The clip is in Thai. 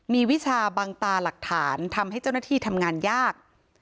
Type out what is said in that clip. มีวิชาบังตาหลักฐานทำให้เจ้าหน้าที่ทำงานยาก